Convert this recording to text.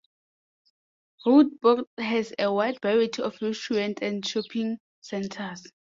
Roodepoort has a wide variety of restaurants and shopping centres.